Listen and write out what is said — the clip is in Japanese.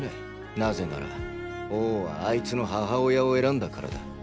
なぜなら王はアイツの母親を選んだからだ。